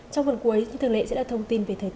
trong phần cuối thương lệ sẽ đặt thông tin về thời tiết